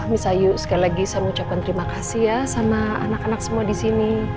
mis ayu sekali lagi saya mau ucapkan terima kasih ya sama anak anak semua disini